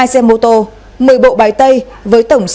một mươi hai xe mô tô một mươi bộ bái tay với tổng số ba